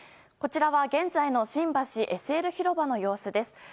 こちらは、現在の東京・新橋ＳＬ広場の様子です。